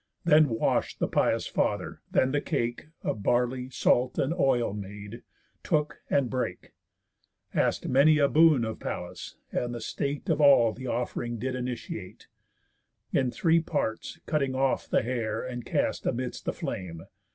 Then wash'd the pious father, then the cake (Of barley, salt, and oil, made) took, and brake, Ask'd many a boon of Pallas, and the state Of all the off'ring did initiate, In three parts cutting off the hair, and cast Amidst the flame.